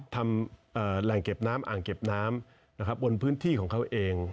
ทำแหล่งเก็บน้ำอ่างเก็บน้ำบนพื้นที่ของเขาเอง